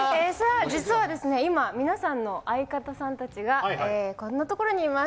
実は今、皆さんの相方さんたちが、こんな所にいます。